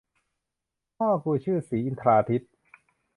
พ่อกูชื่อศรีอินทราทิตย์